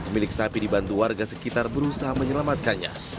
pemilik sapi dibantu warga sekitar berusaha menyelamatkannya